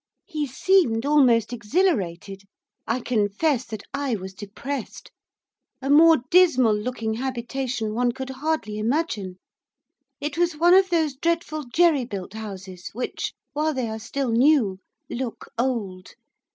He seemed almost exhilarated, I confess that I was depressed. A more dismal looking habitation one could hardly imagine. It was one of those dreadful jerry built houses which, while they are still new, look old.